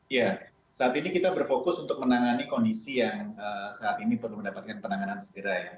ya saat ini kita berfokus untuk menangani kondisi yang saat ini perlu mendapatkan penanganan segera ya